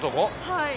はい。